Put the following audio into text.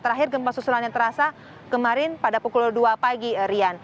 terakhir gempa susulan yang terasa kemarin pada pukul dua pagi rian